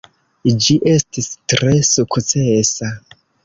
Ĝi estis tre sukcesa.